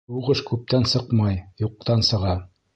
Һуғыш күптән сыҡмай, юҡтан сыға.